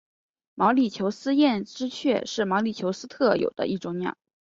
毛里求斯艳织雀是毛里求斯特有的一种鸟。